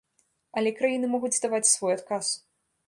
Але краіны могуць даваць свой адказ.